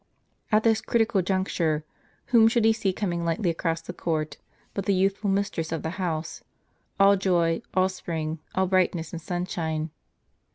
At this critical juncture, whom should he see coming lightly across the court, but the youthful mistress of the house, all joy, all spring, all brightness and sunshine.